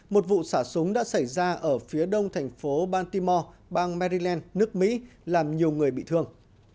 một vụ xả súng đã xảy ra ở phía đông thành phố baltimore bang maryland nước mỹ làm nhiều người bị thương